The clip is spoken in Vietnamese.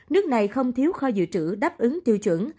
nước này không thiếu kho dự trữ đáp ứng tiêu chuẩn